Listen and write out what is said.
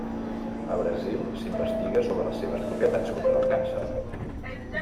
Al Brasil s'investiga sobre les seves propietats contra el càncer.